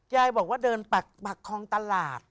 ยายบอกว่าเดินปักคลองตลาด